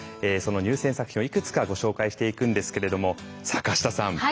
その入選作品をいくつかご紹介していくんですけれども坂下さん。